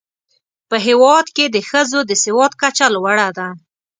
په هېواد کې د ښځو د سواد کچه لوړه ده.